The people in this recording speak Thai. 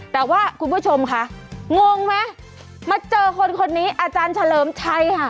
แต่ว่าคุณผู้ชมค่ะงงไหมมาเจอคนคนนี้อาจารย์เฉลิมชัยค่ะ